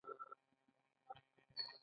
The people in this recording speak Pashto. د جان ایف کینیډي مجسمه او نور شیان یې راویستل